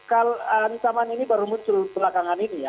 kalau ancaman ini baru muncul belakangan ini ya